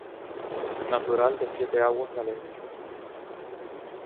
Natural de Siete Aguas Valencia.